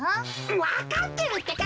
わかってるってか！